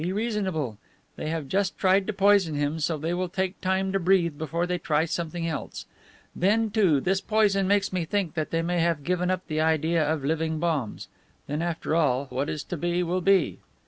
"Be reasonable. They have just tried to poison him, so they will take time to breathe before they try something else. Then, too, this poison makes me think they may have given up the idea of living bombs. Then, after all, what is to be will be."